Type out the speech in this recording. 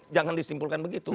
jangan disimpulkan begitu